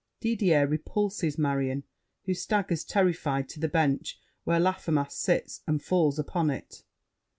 [Didier repulses Marion, who staggers terrified to the bench where Laffemas sits, and falls upon it.